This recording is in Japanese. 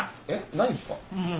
何何すか。